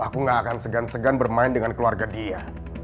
aku gak akan segan segan bermain dengan keluarga dia